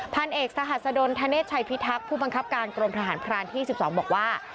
พันเอกสหัสดลธเนธชัยพิทักษ์ผู้บังคับการกรมทหารพรานที่๑๒บอกว่า